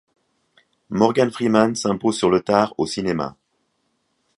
Morgan Freeman s'impose sur le tard au cinéma.